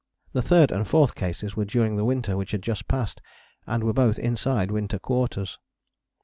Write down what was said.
The third and fourth cases were during the winter which had just passed, and were both inside Winter Quarters.